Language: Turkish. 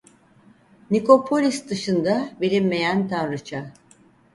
Nikopolis dışında bilinmeyen tanrıça.